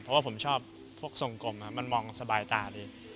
เพราะว่าผมชอบพวกทรงกลมมันมองสบายตาเลย